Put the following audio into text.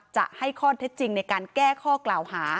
จะให้ข้อเท็จจริงในการแก้ข้อกล่าวหา